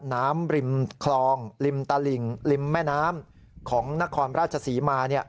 ริมคลองริมตลิ่งริมแม่น้ำของนครราชศรีมา